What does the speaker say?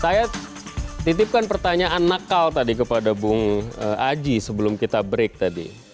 saya titipkan pertanyaan nakal tadi kepada bung aji sebelum kita break tadi